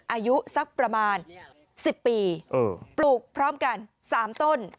อายุสักประมาณ๑๐ปีปลูกพร้อมกัน๓ต้น